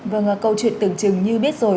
vâng câu chuyện tưởng chừng như biết rồi